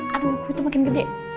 aduh kutu makin gede